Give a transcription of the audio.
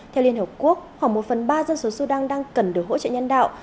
theo liên hợp quốc khoảng một phần ba dân số sudan đang cần được hỗ trợ nhân đạo